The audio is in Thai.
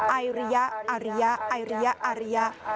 อาริยะอาริยะอาริยะอาริยะอาริยะ